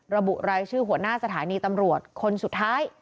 ระบุรายชื่อหัวหน้าสถานีตำรวจคนสุดท้าย